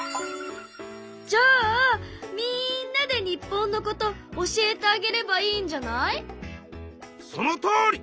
じゃあみんなで日本のこと教えてあげればいいんじゃない？そのとおり！